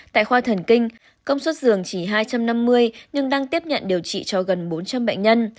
tại khoa thần kinh công suất giường chỉ hai trăm năm mươi nhưng đang tiếp nhận điều trị cho gần bốn trăm linh bệnh nhân